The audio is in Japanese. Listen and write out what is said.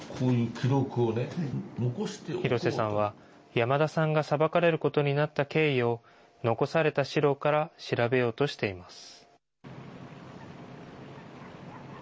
廣瀬さんは、山田さんが裁かれることになった経緯を残された資料から調べようとしています。